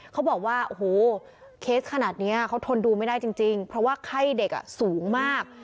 เขาบอกว่าโอ้โหเคสขนาดนี้เขาทนดูไม่ได้จริงเพราะว่าไข้เด็กสูงมาก